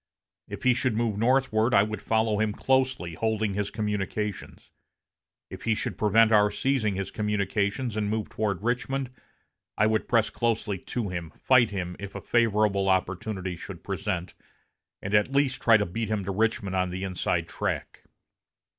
If he should move northward I would follow him closely, holding his communications. If he should prevent our seizing his communications and move toward Richmond, I would press closely to him, fight him, if a favorable opportunity should present, and at least try to beat him to Richmond on the inside track.